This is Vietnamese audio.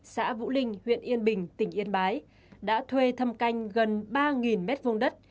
xã vũ linh huyện yên bình tỉnh yên bái đã thuê thâm canh gần ba mét vùng đất